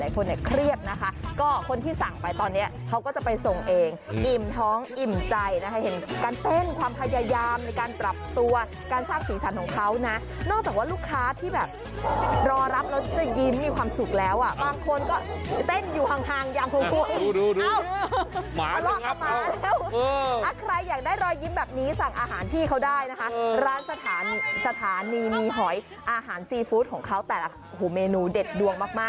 หลายคนเนี่ยเครียบนะคะก็คนที่สั่งไปตอนนี้เขาก็จะไปส่งเองอิ่มท้องอิ่มใจนะให้เห็นการเต้นความพยายามในการปรับตัวการสร้างสีสันของเขานะนอกจากว่าลูกค้าที่แบบรอรับแล้วจะยิ้มมีความสุขแล้วอ่ะบางคนก็เต้นอยู่ห่างยังโทร